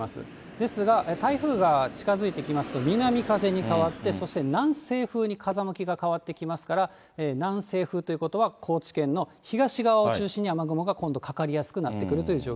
ですが、台風が近づいてきますと、南風に変わって、そして南西風に風向きが変わってきますから、南西風ということは、高知県の東側を中心に雨雲が今度かかりやすくなってくるという状